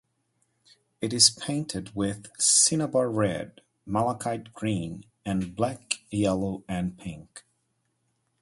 It is painted with cinnabar red, malachite green, and black, yellow, and pink.